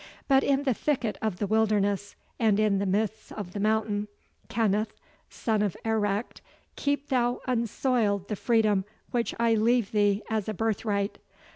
But in the thicket of the wilderness, and in the mist of the mountain, Kenneth, son of Eracht, keep thou unsoiled the freedom which I leave thee as a birthright.